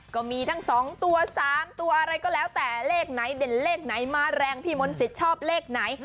ก็มีทั้ง๒ตัว๓ตัวอะไรก็แล้วแต่เลขไหนเด่นเลขไหนมาแรงพี่มนต์สิทธิ์ชอบเลขไหน